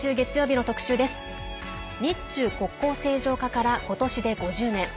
日中国交正常化からことしで５０年。